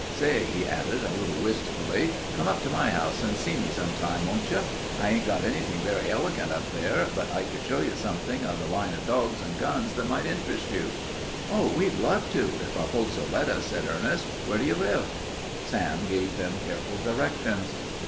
Say," he added, a little wistfully, "come up to my house and see me sometime, won't you? I ain't got anything very elegant up there, but I could show you something in the line o' dogs and guns that might interest you." "Oh, we'd love to, if our folks'll let us," said Ernest. "Where do you live?" Sam gave them careful directions.